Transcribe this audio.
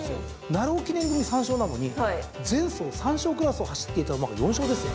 鳴尾記念組３勝なのに前走３勝クラスを走っていた馬が４勝ですよ。